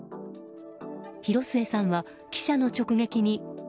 広末さんは、記者の直撃に。